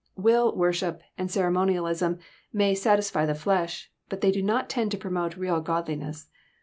Will worship and ceremouialism may *' satisfy the flesh," but they do not tend to promote real godliness.